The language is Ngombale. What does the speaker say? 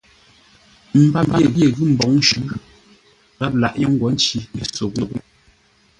Mbap ye ghʉ́ mbǒŋ shʉʼʉ, gháp laghʼ yé ńgwó nci ńsóghʼ yé.